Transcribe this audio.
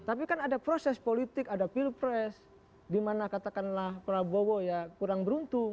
tapi kan ada proses politik ada pilpres di mana katakanlah prabowo ya kurang beruntung